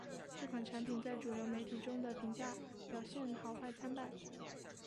这款产品在主流媒体中的评价表现好坏参半。